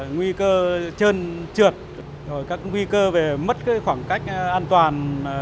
nguy cơ chơn trượt nguy cơ mất khoảng cách an toàn